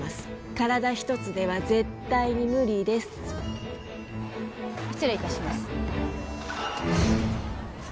体一つでは絶対に無理です失礼いたします